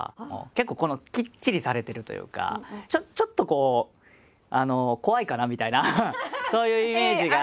結構きっちりされてるというかちょっとこう怖いかなみたいなそういうイメージが。